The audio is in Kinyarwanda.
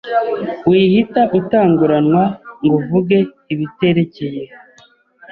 wihita utanguranwa ngo uvuge ibiterekeye